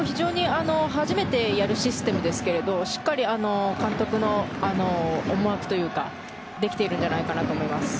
初めてやるシステムですけれどもしっかり監督の思惑というかできているんじゃないかなと思います。